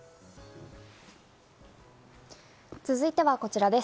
続いてはこちらです。